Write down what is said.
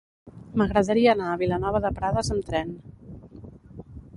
M'agradaria anar a Vilanova de Prades amb tren.